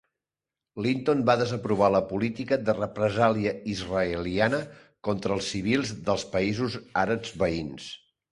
Linton va desaprovar la política de represàlia israeliana contra civils dels països àrabs veïns.